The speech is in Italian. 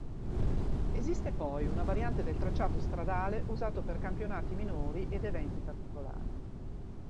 Esiste poi una variante del tracciato stradale usato per campionati minori ed eventi particolari.